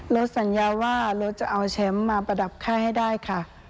รถสัญญาว่ารถจะเอาแชมป์มาประดับค่ายให้ได้ค่ะ